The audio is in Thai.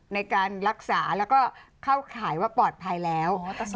ในการรักษาแล้วก็เข้าข่ายว่าปลอดภัยแล้ว